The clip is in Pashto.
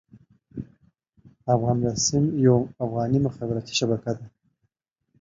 افغان بيسيم يوه افغاني مخابراتي شبکه ده.